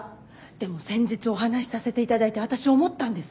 でも先日お話しさせて頂いて私思ったんです。